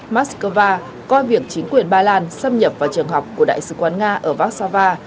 mắc sa va coi việc chính quyền ba lan xâm nhập vào trường học của đại sứ quán nga ở vác sa va